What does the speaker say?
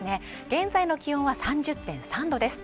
現在の気温は３０．３度です